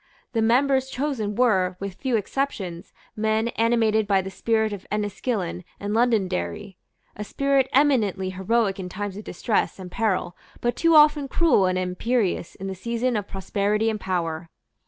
The members chosen were, with few exceptions, men animated by the spirit of Enniskillen and Londonderry, a spirit eminently heroic in times of distress and peril, but too often cruel and imperious in the season of prosperity and power.